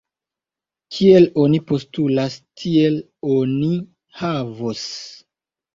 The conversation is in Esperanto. Kiel oni postulas, tiel oni havos!